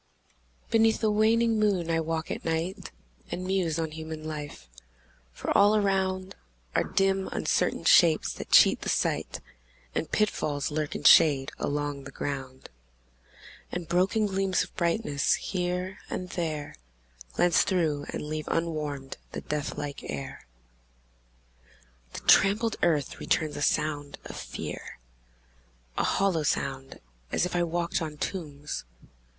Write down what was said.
Beneath the waning moon I walk at night, And muse on human life for all around Are dim uncertain shapes that cheat the sight, And pitfalls lurk in shade along the ground, And broken gleams of brightness, here and there, Glance through, and leave unwarmed the death like air. The trampled earth returns a sound of fear A hollow sound, as if I walked on tombs!